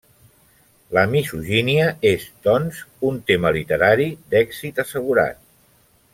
La misogínia és, doncs, un tema literari d'èxit assegurat.